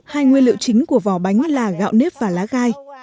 hai nguyên liệu chính của vỏ bánh là gạo nếp và lá gai